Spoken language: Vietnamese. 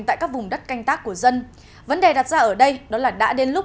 tại các vùng đất canh tác của dân vấn đề đặt ra ở đây đó là đã đến lúc